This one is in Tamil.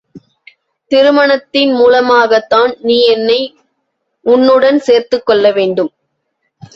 திருமணத்தின் மூலமாகத்தான் நீ என்னை உன்னுடன் சேர்த்துக் கொள்ளவேண்டும்.